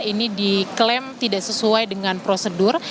ini diklaim tidak sesuai dengan prosedur